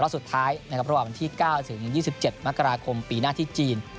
แล้วสุดท้ายพรุ่งวันที่๙ถึง๒๗มกราคมปีหน้าที่จีน